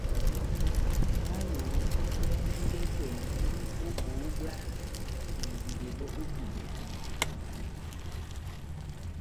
Bwálo bόhongwidɛkwɛndi ó bohó bwá ihibidɛ bɔ́ ó mihiba